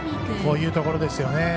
こういうところですよね。